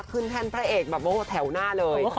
ขึ้นแทนพระเอกแบบแถวหน้าเลย